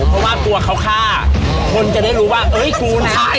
เพราะว่ากลัวเขาฆ่าคนจะได้รู้ว่าเอ้ยครูนะ